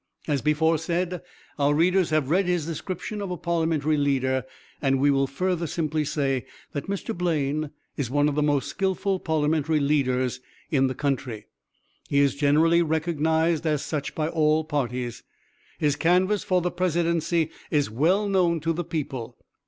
As before said, our readers have read his description of a parliamentary leader, and we will further simply say that Mr. Blaine is one of the most skillful parliamentary leaders in the country. He is generally recognized as such by all parties. His canvass for the presidency is well known to the people.